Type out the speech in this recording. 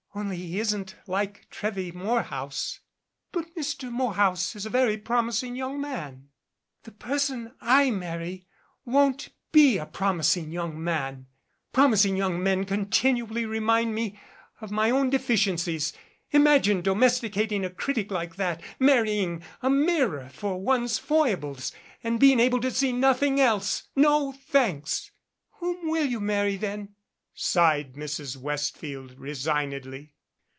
"Only he isn't like Trewy Morehouse." "But Mr. Morehouse is a very promising young man " "The person I marry won't be a promising young man. Promising young men continually remind me of my 25 MADCAP r ~ own deficiencies. Imagine domesticating a critic like that, marrying a mirror for one's foibles and being able to see nothing else. No, thanks." "Whom will you marry then?" sighed Mrs. Westfield resignedly.